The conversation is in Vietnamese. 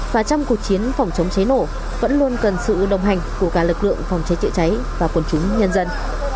và trong cuộc chiến phòng chống cháy nổ vẫn luôn cần sự đồng hành của cả lực lượng phòng cháy chữa cháy và quần chúng nhân dân